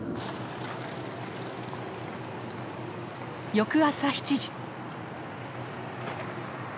翌朝７時。